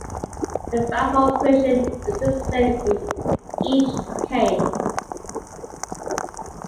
The valve operation is the same in each case.